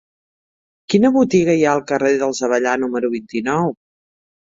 Quina botiga hi ha al carrer dels Avellà número vint-i-nou?